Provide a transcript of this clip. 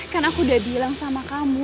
kan aku udah bilang sama kamu